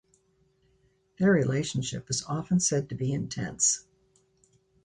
Their relationship is often said to be intense.